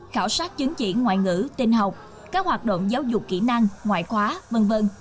khảo sát chứng chỉ ngoại ngữ tình học các hoạt động giáo dục kỹ năng ngoại khóa v v